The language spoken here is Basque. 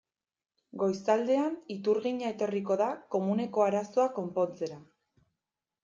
Goizaldean iturgina etorriko da komuneko arazoa konpontzera.